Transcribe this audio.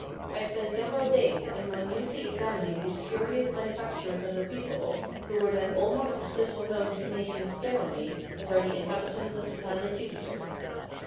I spent several days in minutely examining these curious manufactures of a people, who were then almost as little known to nations generally as are the inhabitants of the planet Jupiter.